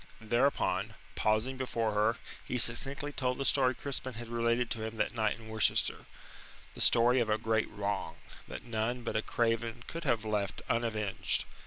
Thereupon, pausing before her, he succinctly told the story Crispin had related to him that night in Worcester the story of a great wrong, that none but a craven could have left unavenged.